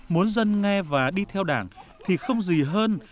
muốn dân nghe và đi theo đảng thì không gì hơn